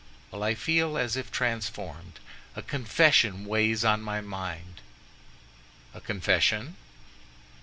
"Well, I feel as if transformed—a confession weighs on my mind." "A confession!"